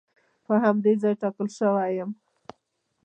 په همدې ځای ټاکل شوی یم.